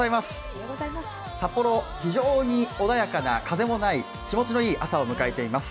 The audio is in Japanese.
札幌、非常に穏やかな風もない気持ちのいい朝を迎えています。